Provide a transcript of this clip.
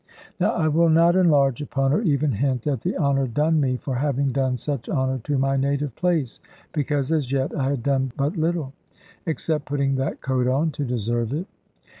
Now I will not enlarge upon or even hint at the honour done me for having done such honour to my native place, because as yet I had done but little, except putting that coat on, to deserve it.